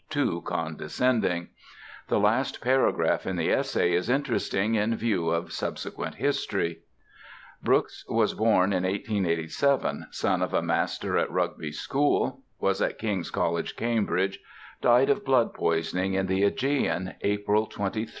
too condescending. The last paragraph in this essay is interesting in view of subsequent history. Brooke was born in 1887, son of a master at Rugby School; was at King's College, Cambridge; died of blood poisoning in the Ægean, April 23, 1915.